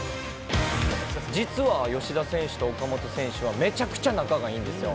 実は、吉田選手と岡本選手はめちゃくちゃ仲がいいんですよ。